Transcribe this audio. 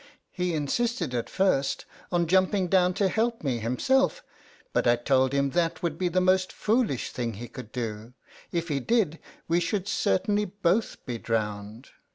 He insisted, at first, on jumping down to help me him self ; but I told him that would be the most foolish thing he could do ; if he did, we should certainly both be drowned.